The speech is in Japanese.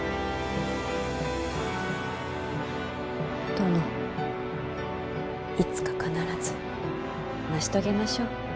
殿いつか必ず成し遂げましょう。